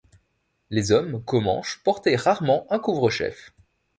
Les hommes comanches portaient rarement un couvre-chef.